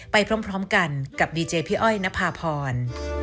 พี่อ้อยณพาพร